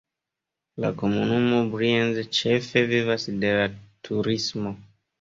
La komunumo Brienz ĉefe vivas de la turismo.